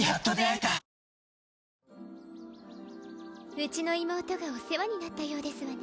うちの妹がお世話になったようですわね